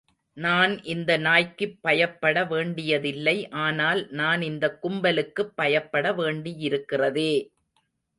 நான் இந்த நாய்க்குப் பயப்பட வேண்டியதில்லை. ஆனால், நான் இந்தக் கும்பலுக்குப் பயப்பட வேண்டியருக்கிறதே!